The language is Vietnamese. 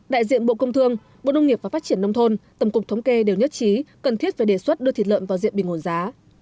đại diện bộ công thương bộ nông nghiệp và phát triển nông thôn tổng cục thống kê đều nhất trí cần thiết phải đề xuất đưa thịt lợn vào diện bình ổn giá